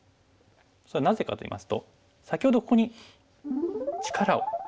それはなぜかといいますと先ほどここに力をためましたよね。